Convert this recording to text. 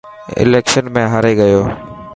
اليڪشن ۾ هاري گيو.